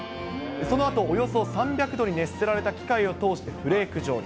そのあとおよそ３００度に熱せられた機械を通してフレーク状に。